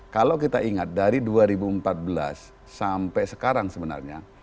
kalau kita ingat dari dua ribu empat belas sampai sekarang sebenarnya